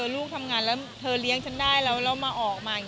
ลูกทำงานแล้วเธอเลี้ยงฉันได้แล้วเรามาออกมา